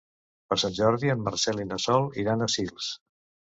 Per Sant Jordi en Marcel i na Sol iran a Sils.